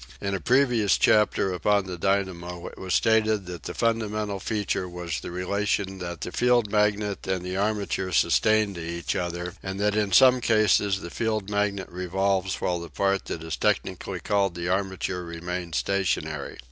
In a previous chapter upon the dynamo it was stated that the fundamental feature was the relation that the field magnet and the armature sustained to each other, and that in some cases the field magnet revolves while the part that is technically called the armature remains stationary.